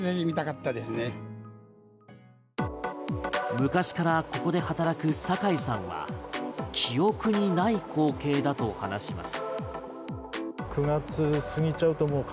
昔からここで働く酒井さんは記憶にない光景だと話します。